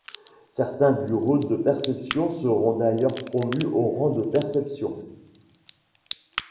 Certains bureaux de perception seront d'ailleurs promus au rang de perception.